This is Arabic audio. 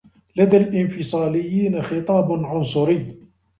لدى الإنفصاليين خطاب عنصري.